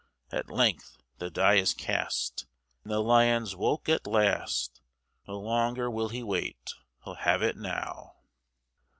At length the die is cast, And the Lion's woke at last, No longer will he wait, he'll have it now.